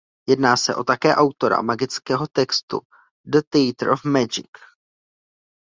Jedná se o také autora magického textu "The Theatre of Magic".